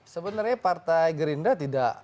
sebenarnya partai gerinda tidak